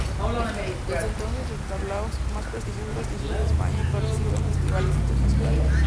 Desde entonces recorre los tablaos más prestigiosos de España y participa en festivales internacionales.